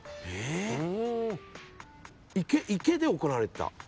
池で行われてた？